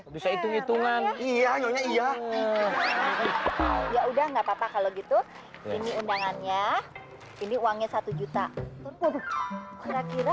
bisa itu hitungan iya ya udah nggak papa kalau gitu ini undangannya ini uangnya satu juta kira kira